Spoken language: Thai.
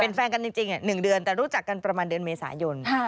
เป็นแฟนกันจริง๑เดือนแต่รู้จักกันประมาณเดือนเมษายน